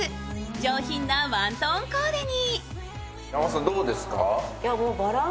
上品なワントーンコーデに。